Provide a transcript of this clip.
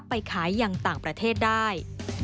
ไปขายอย่างต่างประเทศได้